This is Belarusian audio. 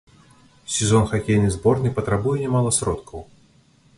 Сезон хакейнай зборнай патрабуе нямала сродкаў.